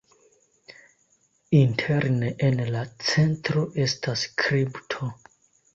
Interne en la centro estas kripto.